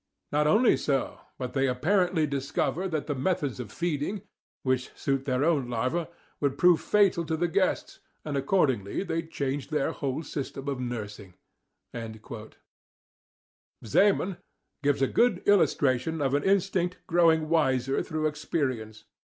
Not only so, but they apparently discover that the methods of feeding, which suit their own larvae, would prove fatal to the guests, and accordingly they change their whole system of nursing" (loc. cit., p. 106). Semon ("Die Mneme," pp. 207 9) gives a good illustration of an instinct growing wiser through experience.